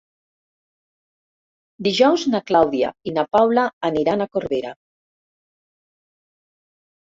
Dijous na Clàudia i na Paula aniran a Corbera.